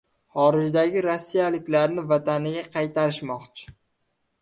Xorijdagi rossiyaliklarni vataniga qaytarishmoqchi